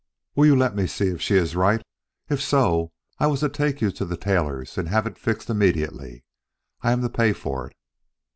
Will you let me see if she is right? If so, I was to take you to the tailor's and have it fixed immediately. I am to pay for it."